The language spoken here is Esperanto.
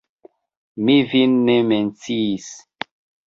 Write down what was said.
Mi vin ne menciis.